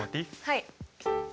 はい。